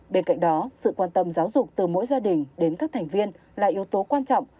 bên cạnh đó sự quan tâm giáo dục từ mỗi gia đình đến các thành viên là yếu tố quan trọng